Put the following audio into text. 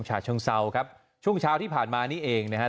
ฉะเชิงเซาครับช่วงเช้าที่ผ่านมานี้เองนะครับ